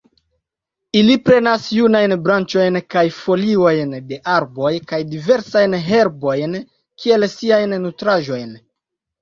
Ili prenas junajn branĉojn kaj foliojn de arboj kaj diversajn herbojn kiel siajn nutraĵojn.